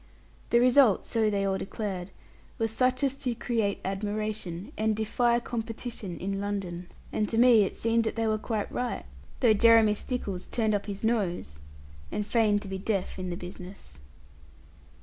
The result, so they all declared, was such as to create admiration, and defy competition in London. And to me it seemed that they were quite right; though Jeremy Stickles turned up his nose, and feigned to be deaf in the business.